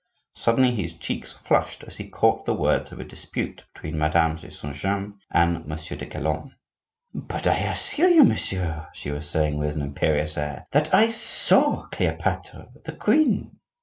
Suddenly his cheeks flushed as he caught the words of a dispute between Madame de Saint James and Monsieur de Calonne. "But I assure you, monsieur," she was saying, with an imperious air, "that I saw Cleopatra, the queen."